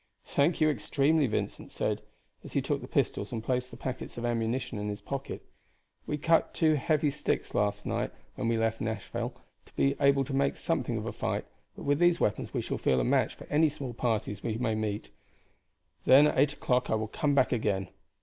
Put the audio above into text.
"Thank you extremely," Vincent said, as he took the pistols and placed the packets of ammunition in his pocket. "We cut two heavy sticks the night we left Nashville so as to be able to make something of a fight; but with these weapons we shall feel a match for any small parties we may meet. Then at eight o'clock I will come back again."